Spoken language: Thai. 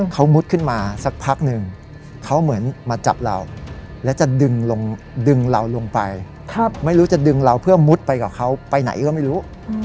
เขามุดขึ้นมาสักพักหนึ่งเขาเหมือนมาจับเราแล้วจะดึงเราลงไปไม่รู้จะดึงเราเพื่อมุดไปกับเขาไปไหนก็ไม่รู้